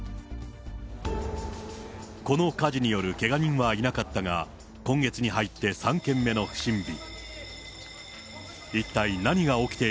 この火事によるけが人はいなかったが、今月に入って３件目の不審火。